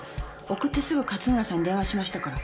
送ってすぐ勝村さんに電話しましたから。